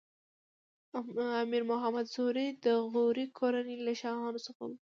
امیر محمد سوري د غوري کورنۍ له شاهانو څخه و.